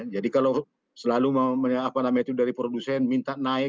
jadi kalau selalu metode dari produsen minta naik